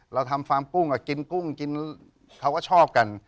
เราทำฟาร์มกุ้งกินกุ้งกินเขาก็ชอบกัน